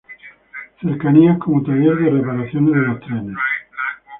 Cercanías como taller de reparaciones de los trenes.